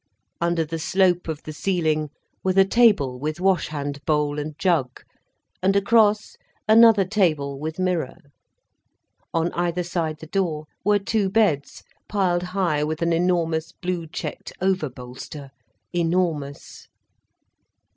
Under the slope of the ceiling were the table with wash hand bowl and jug, and across, another table with mirror. On either side the door were two beds piled high with an enormous blue checked overbolster, enormous.